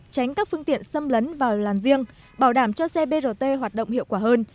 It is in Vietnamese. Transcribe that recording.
tránh các phương tiện xâm lấn vào làn riêng bảo đảm cho xe brt hoạt động hiệu quả hơn